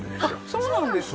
そうなんですか？